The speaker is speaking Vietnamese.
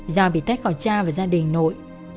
do bị tách khỏi cha và gia đình nội